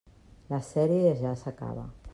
La sèrie ja s'acaba.